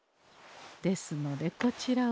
ですのでこちらを。